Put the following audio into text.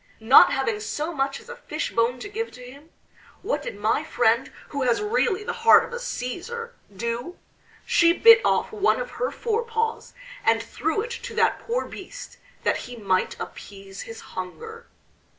Not having so much as a fish bone to give to him, what did my friend, who has really the heart of a Cæsar, do? She bit off one of her forepaws, and threw it to that poor beast that he might appease his hunger."